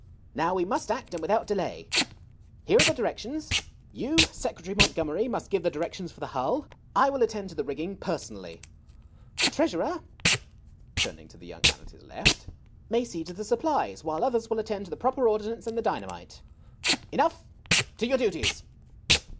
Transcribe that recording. Now we must act, and without delay. Here are the directions. You, Secretary Montgomery, must give the directions for the hull. I will attend to the rigging personally. The Treasurer "— turning to the young man at his left —" may see to the supplies, while others will attend to the proper ordnance and the dynamite. Enough !— to your duties."